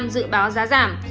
một mươi sáu dự báo giá giảm